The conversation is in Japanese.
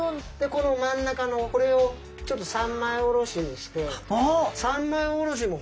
この真ん中のこれをちょっと三枚おろしにして。